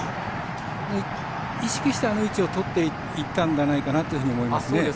意識してあの位置をとっていったんじゃないかなと思いますね。